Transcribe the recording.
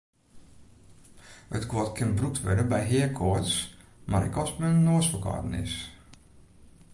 It guod kin brûkt wurde by heakoarts mar ek as men noasferkâlden is.